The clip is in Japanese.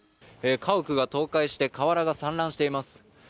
家屋が倒壊して瓦が散乱しています。